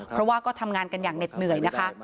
เพราะว่าก็ทำงานกันอย่างเหน็ดเหนื่อยนะคะ